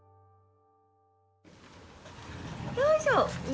よいしょ